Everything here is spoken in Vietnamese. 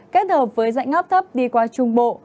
kết hợp với dạnh áp thấp đi qua trung bộ